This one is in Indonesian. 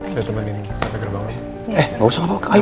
saya temanin sampai jumpa lagi